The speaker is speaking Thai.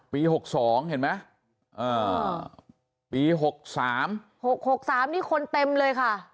ปีหกสองเห็นไหมอ่าปีหกสามหกหกสามนี่คนเต็มเลยค่ะ